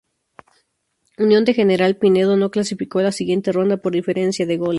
Unión de General Pinedo no clasificó a la siguiente ronda por diferencia de goles.